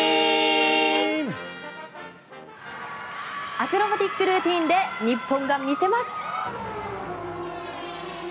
アクロバティックルーティンで日本が見せます。